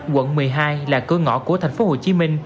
quận một mươi hai là cửa ngõ của tp hcm